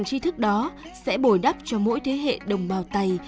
giúp cho mỗi thế hệ đồng bào tày